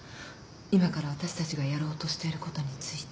今から私たちがやろうとしていることについて。